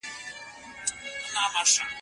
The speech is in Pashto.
البته ښه دودونه.